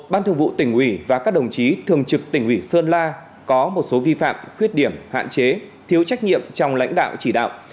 ban thường vụ tỉnh ủy và các đồng chí thường trực tỉnh ủy sơn la có một số vi phạm khuyết điểm hạn chế thiếu trách nhiệm trong lãnh đạo chỉ đạo